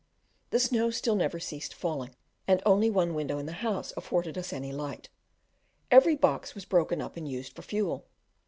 The snow still never ceased falling, and only one window in the house afforded us any light; every box was broken up and used for fuel.